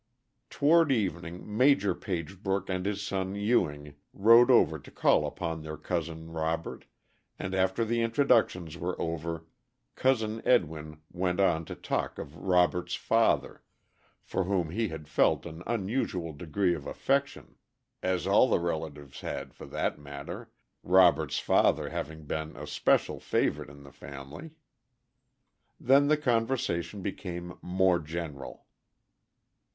Toward evening Maj. Pagebrook and his son Ewing rode over to call upon their cousin Robert, and after the introductions were over, "Cousin Edwin" went on to talk of Robert's father, for whom he had felt an unusual degree of affection, as all the relatives had, for that matter, Robert's father having been an especial favorite in the family. Then the conversation became more general.